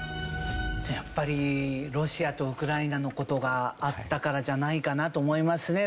やっぱりロシアとウクライナの事があったからじゃないかなと思いますね。